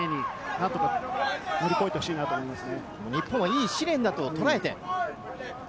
何とか乗り越えてほしいと思います。